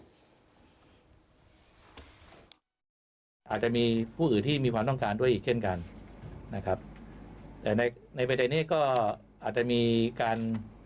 อาจจะมีผู้อื่นที่มีความต้องการด้วยอีกเช่นกันนะครับแต่ในในประเด็นนี้ก็อาจจะมีการ